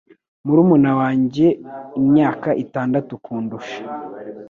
Murumuna wanjye imyaka itandatu kundusha.